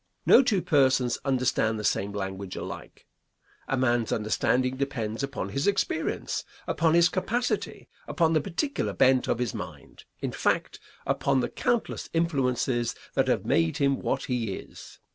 No two persons understand the same language alike. A man's understanding depends upon his experience, upon his capacity, upon the particular bent of his mind in fact, upon the countless influences that have made him what he is.